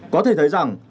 có thể thấy rằng